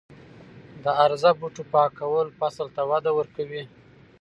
د هرزه بوټو پاکول فصل ته وده ورکوي.